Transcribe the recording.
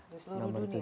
di seluruh dunia